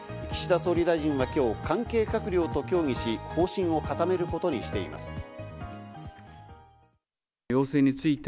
岸田総理大臣は今日、関係閣僚と協議し、方針を固めることにしています。